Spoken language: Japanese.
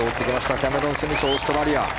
キャメロン・スミスオーストラリア。